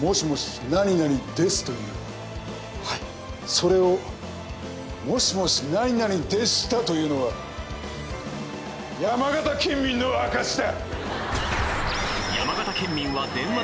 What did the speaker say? それを「もしもし○○でした」と言うのは山形県民の証しだ！